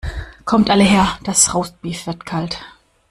Kommt alle her das Roastbeef wird kalt.